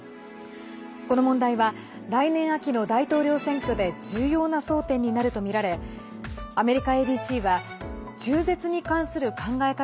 この問題は来年秋の大統領選挙で重要な争点になるとみられアメリカＡＢＣは中絶に関する考え方